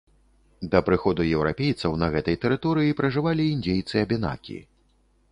Да прыходу еўрапейцаў на гэтай тэрыторыі пражывалі індзейцы-абенакі.